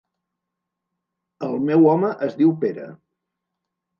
El meu home es diu Pere.